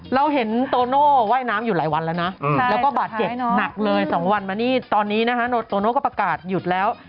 เราเห็นโตโน่ว่ายน้ำอยู่หลายวันแล้วนะแล้วก็บาดเจ็บหนักเลย๒วันมานี่ตอนนี้นะฮะโตโน่ก็ประกาศหยุดแล้ว